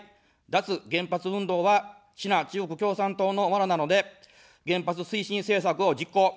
脱原発運動はシナ、中国共産党のワナなので原発推進政策を実行。